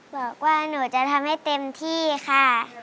บอกว่าหนูจะทำให้เต็มที่ค่ะ